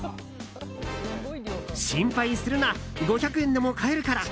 心配するな５００円でも買えるから。